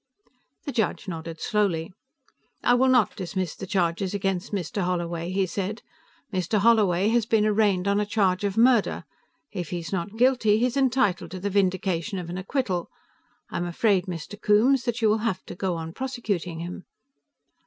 The judge nodded slowly. "I will not dismiss the charges against Mr. Holloway," he said. "Mr. Holloway had been arraigned on a charge of murder; if he is not guilty, he is entitled to the vindication of an acquittal. I am afraid, Mr. Coombes, that you will have to go on prosecuting him."